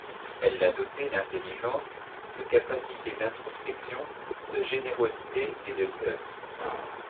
Elle l'a doté d'intelligence, de capacité d'introspection, de générosité et de cœur.